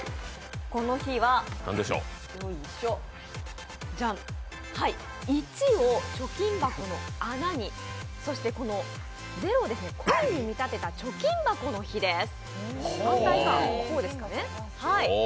この日は、１を貯金箱の穴に、そしてこのゼロをコインに見立てた貯金箱の日です。